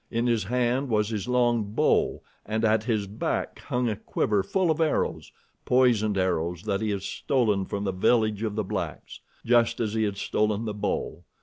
In his hand was his long bow and at his back hung a quiver full of arrows, poisoned arrows that he had stolen from the village of the blacks; just as he had stolen the bow.